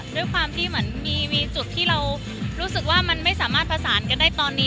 ด้วยความที่เหมือนมีจุดที่เรารู้สึกว่ามันไม่สามารถผสานกันได้ตอนนี้